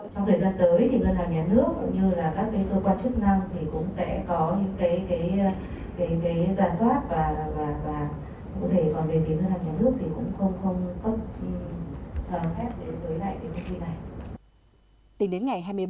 trong thời gian tới thì ngân hàng nhà nước cũng như là các cái cơ quan chức năng thì cũng sẽ có những cái giả soát